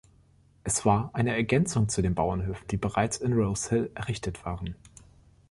Es war eine Ergänzung zu den Bauernhöfen, die bereits in Rose Hill errichtet waren.